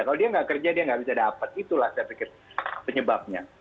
kalau dia nggak kerja dia nggak bisa dapat itulah saya pikir penyebabnya